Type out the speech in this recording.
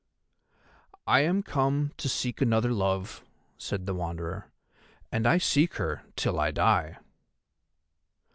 "I am come to seek another love," said the Wanderer, "and I seek her till I die."